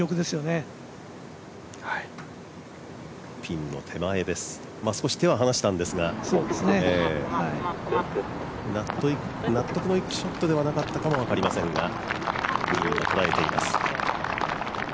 ピンの手前です、少し手は離したんですが納得のいくショットではなかったかもしれませんがグリーンを捉えています。